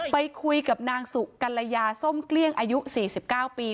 ไปคุยกับนางสุกรรยาส้มเกลี้ยงอายุสี่สิบเก้าปี